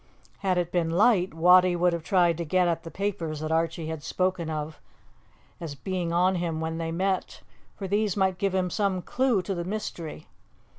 Had it been light, Wattie would have tried to get at the papers that Archie had spoken of as being on him when they met, for these might give him some clue to the mystery.